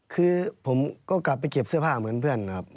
คือผมก็กลับไปเก็บเสื้อผ้าเหมือนเพื่อนครับ